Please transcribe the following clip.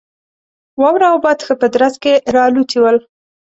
واوره او باد ښه په درز کې را الوتي ول.